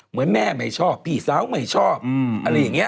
เหมือนแม่ไม่ชอบพี่สาวไม่ชอบอะไรอย่างนี้